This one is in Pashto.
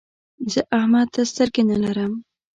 زه احمد ته سترګې نه لرم.